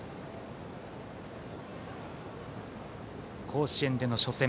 甲子園での初戦